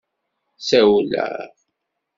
Ssawleɣ.